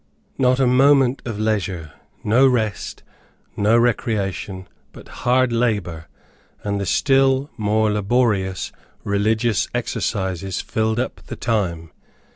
Not a moment of leisure, no rest, no recreation, but hard labor, and the still more laborious religious exercises, filled up the time.